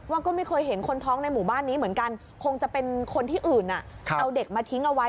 ว่าก็ไม่เคยเห็นคนท้องในหมู่บ้านนี้เหมือนกันคงจะเป็นคนที่อื่นเอาเด็กมาทิ้งเอาไว้